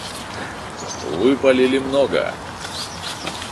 Вы палили много!